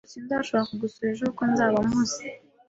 Sinzashobora kugusura ejo kuko nzaba mpuze.